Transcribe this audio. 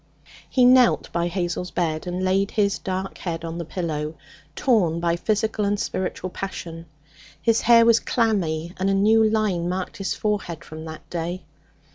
He knelt by Hazel's bed and laid his dark head on the pillow, torn by physical and spiritual passion. His hair was clammy, and a new line marked his forehead from that day.